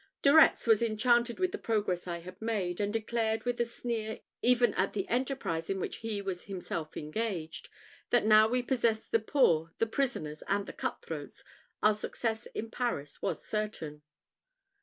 De Retz was enchanted with the progress I had made, and declared, with a sneer even at the enterprise in which he was himself engaged, that now we possessed the poor, the prisoners, and the cut throats, our success in Paris was certain.